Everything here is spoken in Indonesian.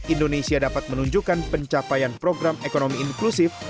indonesia dapat menunjukkan pencapaian program ekonomi inklusif